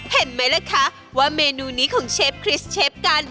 เห็นไหมล่ะคะว่าเมนูนี้ของเชฟคริสเชฟกัน